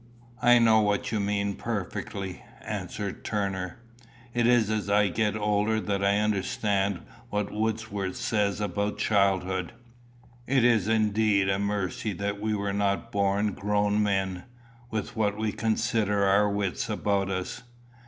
"I know what you mean perfectly," answered Turner. "It is as I get older that I understand what Wordsworth says about childhood. It is indeed a mercy that we were not born grown men, with what we consider our wits about us.